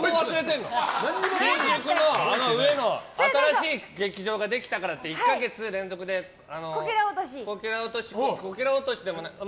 新宿の、あの上の新しい劇場ができたからって１か月連続で、こけら落とし。